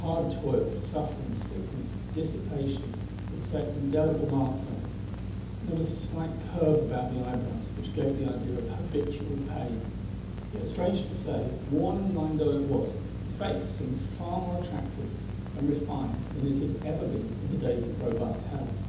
Hard toil, suffering, sickness, dissipation, had set indelible marks on it, and there was a slight curve about the eyebrows which gave the idea of habitual pain. Yet strange to say, worn and lined though it was, the face seemed far more attractive and refined than it had ever been in the days of robust health.